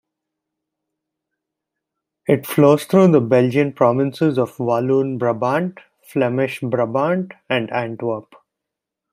It flows through the Belgian provinces of Walloon Brabant, Flemish Brabant and Antwerp.